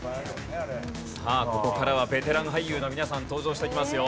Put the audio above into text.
さあここからはベテラン俳優の皆さん登場してきますよ。